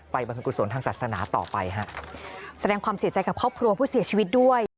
บรรพิกุศลทางศาสนาต่อไปฮะแสดงความเสียใจกับครอบครัวผู้เสียชีวิตด้วย